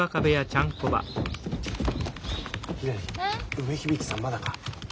梅響さんまだか？